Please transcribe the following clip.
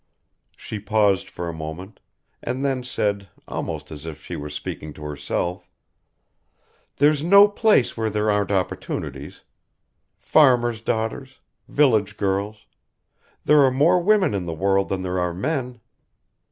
She paused for a moment and then said, almost as if she were speaking to herself, "There's no place where there aren't opportunities. Farmer's daughters ... village girls. There are more women in the world than there are men."